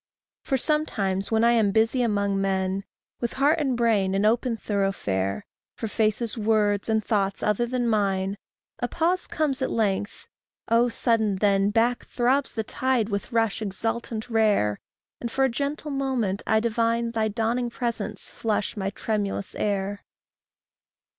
For sometimes when I am busy among men, With heart and brain an open thoroughfare For faces, words, and thoughts other than mine, And a pause comes at length oh, sudden then, Back throbs the tide with rush exultant rare; And for a gentle moment I divine Thy dawning presence flush my tremulous air.